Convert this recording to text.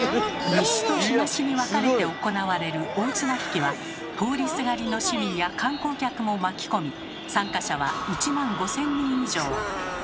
西と東に分かれて行われる大綱挽は通りすがりの市民や観光客も巻き込み参加者は１万５，０００人以上。